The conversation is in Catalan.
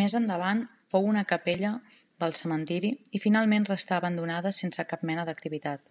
Més endavant fou una capella del cementiri i finalment restà abandonada sense cap mena d'activitat.